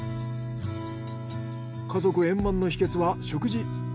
家族円満の秘訣は食事。